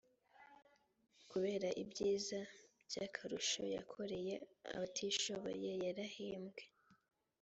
kkubera ibyiza by’akarusho yakoreye abatishoboye yarahembwe